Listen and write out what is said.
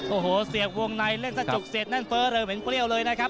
โอ้โหเสียบวงในเรื่องซะจุกเสร็จนั่นเฟ้อเริ่มเหมือนเปรี้ยวเลยนะครับ